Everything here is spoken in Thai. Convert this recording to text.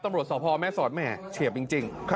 ตำรวจสพแม่สอดแหม่เฉียบจริง